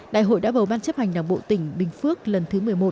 đại hội đã bầu ban chấp hành đảng bộ tỉnh bình phước lần thứ một mươi một